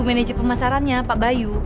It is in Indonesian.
manajer pemasarannya pak bayu